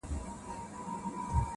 دعا ګوی وي د زړو کفن کښانو--!